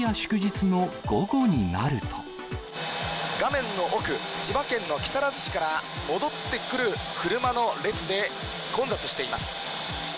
画面の奥、千葉県の木更津市から戻ってくる車の列で、混雑しています。